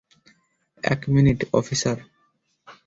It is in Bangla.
এক মিনিট, অফিসার।